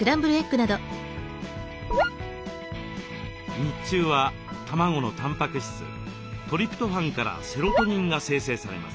日中は卵のたんぱく質トリプトファンからセロトニンが生成されます。